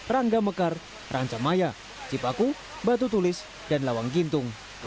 rangga mekar rancamaya cipaku batu tulis dan lawang gintung